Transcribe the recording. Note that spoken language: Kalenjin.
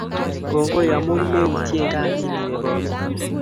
Kongoi amun meutient gaa kiniwe Bomet